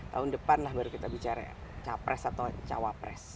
tahun depan lah baru kita bicara capres atau cawapres